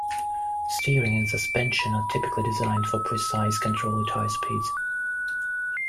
Steering and suspension are typically designed for precise control at high speeds.